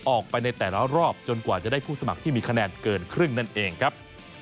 ในแต่ละรอบจนกว่าจะได้ผู้สมัครที่มีคะแนนเกินครึ่งนั่นเองครับ